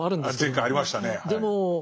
前回ありましたねぇはい。